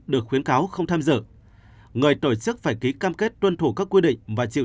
được khuyến cáo không tham dự người tổ chức phải ký cam kết tuân thủ các quy định và chịu